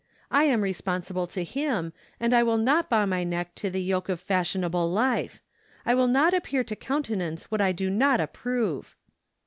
I am responsible to Him; and I will not bow my neck to the yoke of fashionable life. I will not appear to coun¬ tenance what I do not approve."